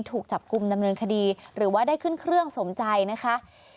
ถูกจับกลุ่มดำเนินคดีหรือว่าได้ขึ้นเครื่องสมใจนะคะ